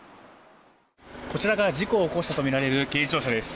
こちらが事故を起こしたとみられる軽自動車です。